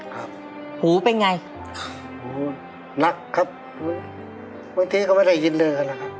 ครับหูเป็นไงหูนักครับเมื่อกี้เขาไม่ได้ยินเลยนะครับ